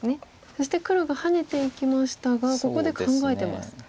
そして黒がハネていきましたがここで考えてますね。